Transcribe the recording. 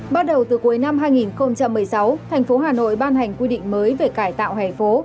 bắt đầu từ cuối năm hai nghìn một mươi sáu thành phố hà nội ban hành quy định mới về cải tạo hẻ phố